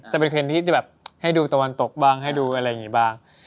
จะเป็นเทรนดที่จะแบบให้ดูตะวันตกบ้างให้ดูอะไรอย่างนี้บ้าง